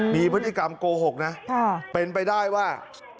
มีพฤติกรรมโกหกนะเป็นไปได้ว่า